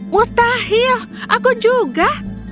mustahil aku juga